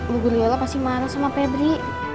bu guliola pasti marah sama febri